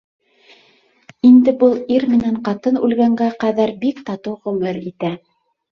Инде был ир менән ҡатын үлгәнгә ҡәҙәр бик татыу ғүмер итә.